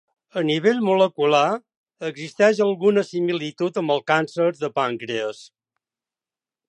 A nivell molecular existeix alguna similitud amb el càncer de pàncrees.